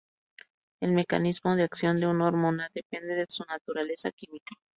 El mecanismo de acción de una hormona depende de su naturaleza química.